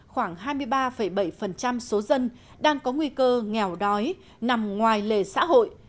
khoảng hai mươi ba bảy số dân đang có nguy cơ nghèo đói nằm ngoài lề xã hội